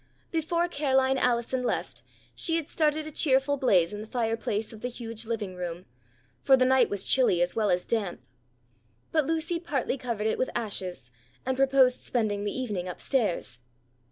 Before Ca'line Allison left she had started a cheerful blaze in the fireplace of the huge living room, for the night was chilly as well as damp. But Lucy partly covered it with ashes, and proposed spending the evening up stairs.